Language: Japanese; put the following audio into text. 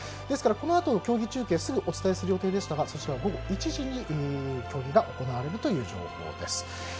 ですから、このあとの競技中継すぐお伝えする予定でしたがそちらは午後１時に競技が行われるという情報です。